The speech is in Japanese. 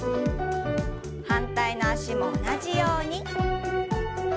反対の脚も同じように。